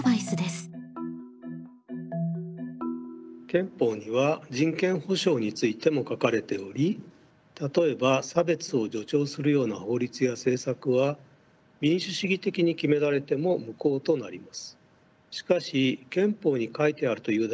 憲法には人権保障についても書かれており例えば差別を助長するような法律や政策は民主主義的に決められても無効となります。